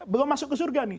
belum masuk ke surga